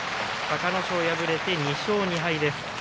隆の勝、敗れて２勝２敗です。